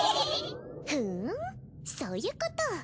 ふんそういうこと。